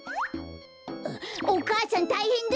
あっお母さんたいへんだ！